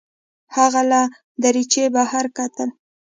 هغه له دریچې بهر کتل.